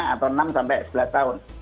atau enam sampai sebelas tahun